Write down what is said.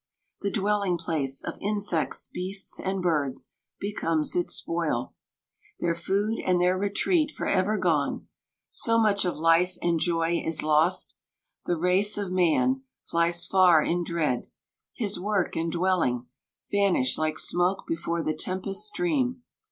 The dwelling place Of insects, beasts, and birds, becomes its spoil; Their food and their retreat for ever gone, So much of life and joy is lost. The race Of man, flies far in dread 5 his work and dwelling Vanish, like smoke before the tempest's stream.